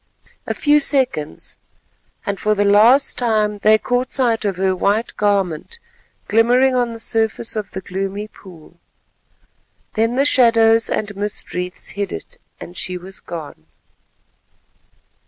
A few seconds, and for the last time, they caught sight of her white garment glimmering on the surface of the gloomy pool. Then the shadows and mist wreaths hid it, and she was gone.